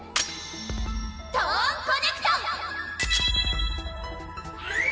トーンコネクト！